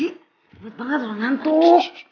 cepet banget orang nantuk